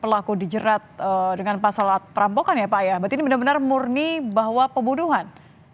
pelaku dijerat dengan pasal perampokan ya pak ya berarti ini benar benar murni bahwa pembunuhan